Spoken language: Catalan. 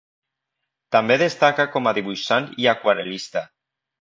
També destacà com a dibuixant i aquarel·lista.